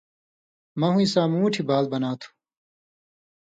مہ ہُویں سامُوٹھھیۡ بال بناتُھو